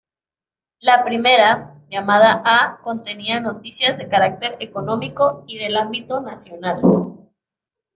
La primera, llamada ‘A’ contenía noticias de carácter económico y del ámbito nacional.